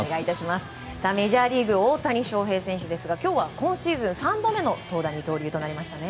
メジャーリーグ大谷翔平選手ですが今日は今シーズン３度目の投打二刀流となりましたね。